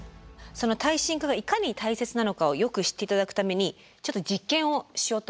その耐震化がいかに大切なのかをよく知って頂くためにちょっと実験をしようと思います。